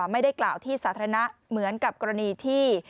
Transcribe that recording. ไม่ได้กล่าวที่สาธารณะเหมือนกับกรณีที่